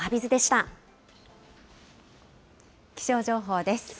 気象情報です。